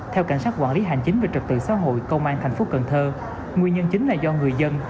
theo cảnh sát quản lý hành chính về trật tự xã hội công an tp cn nguyên nhân chính là do người dân